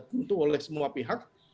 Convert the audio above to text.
tentu oleh semua pihak